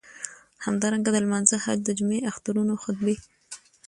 همدارنګه د لمانځه، حج، د جمعی، اخترونو خطبی.